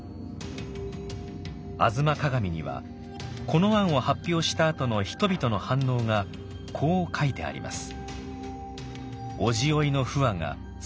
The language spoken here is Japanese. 「吾妻鏡」にはこの案を発表したあとの人々の反応がこう書いてあります。